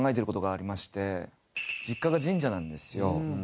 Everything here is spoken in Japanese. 実家が神社なんですよ。